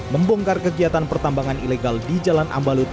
membongkar kegiatan pertambangan ilegal di jalan ambalut